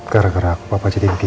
gara gara aku bapak jadi begini